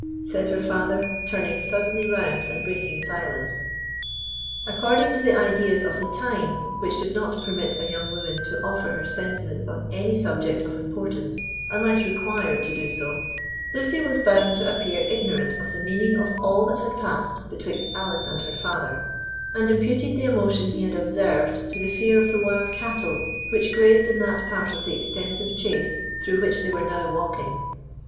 said her father, turning suddenly round and breaking silence. According to the ideas of the time, which did not permit a young woman to offer her sentiments on any subject of importance unless required to do so, Lucy was bound to appear ignorant of the meaning of all that had passed betwixt Alice and her father, and imputed the emotion he had observed to the fear of the wild cattle which grazed in that part of the extensive chase through which they were now walking.